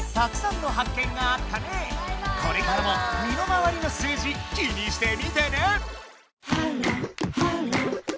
これからも身の回りの「数字」気にしてみてね！